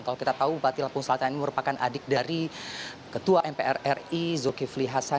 kalau kita tahu bupati lampung selatan ini merupakan adik dari ketua mpr ri zulkifli hasan